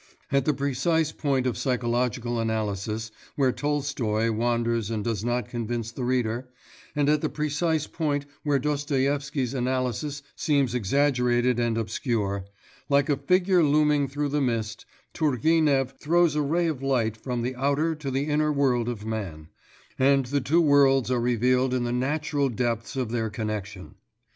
At the precise point of psychological analysis where Tolstoi wanders and does not convince the reader, and at the precise point where Dostoievsky's analysis seems exaggerated and obscure, like a figure looming through the mist, Turgenev throws a ray of light from the outer to the inner world of man, and the two worlds are revealed in the natural depths of their connection.